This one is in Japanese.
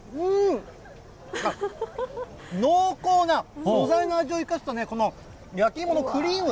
濃厚な、素材の味を生かしたね、この焼き芋のクリーム。